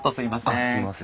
あっすいません。